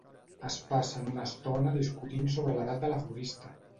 Es passen una estona discutint sobre l'edat de la florista.